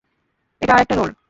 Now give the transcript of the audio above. এটা আরেকটা রোল।